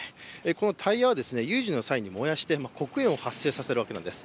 このタイヤは有事の際に燃やして黒煙を発生させるわけなんです。